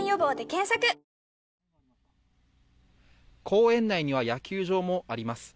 公園内には野球場もあります。